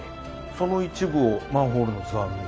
その一部をマンホールの図案に。